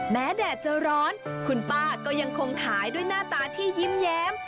แดดจะร้อนคุณป้าก็ยังคงขายด้วยหน้าตาที่ยิ้มแย้ม